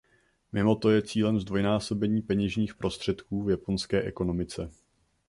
Mimoto je cílem zdvojnásobení peněžních prostředků v japonské ekonomice.